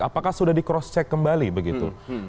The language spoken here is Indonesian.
apakah sudah di cross check kembali begitu